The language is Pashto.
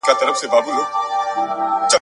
د سکندر لېچي وې ماتي ..